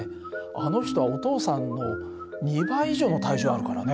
あの人はお父さんの２倍以上の体重あるからね。